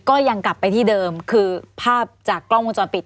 กลับไปที่เดิมคือภาพจากกล้องวงจรปิด